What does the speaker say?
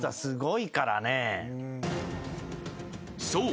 ［そう。